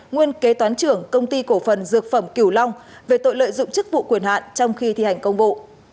nguyên kế toán trưởng công ty cổ phần dược phẩm cửu long về tội lợi dụng chức vụ quyền hạn trong khi thi hành công vụ